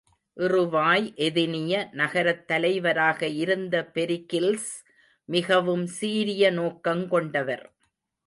இறுவாய் எதினிய நகரத் தலைவராக இருந்த பெரிகில்ஸ் மிகவும் சீரிய நோக்கங் கொண்டவர்.